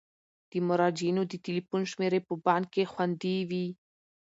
د مراجعینو د تلیفون شمیرې په بانک کې خوندي وي.